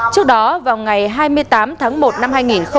trước đó vào ngày hai mươi tám tháng một năm hai nghìn một mươi sáu